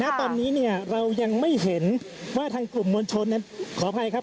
ณตอนนี้เนี่ยเรายังไม่เห็นว่าทางกลุ่มมวลชนนั้นขออภัยครับ